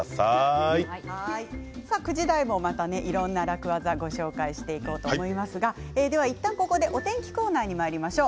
９時台もいろいろな楽ワザをご紹介していこうと思いますが、いったんここでお天気コーナーにまいりましょう。